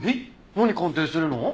何鑑定するの？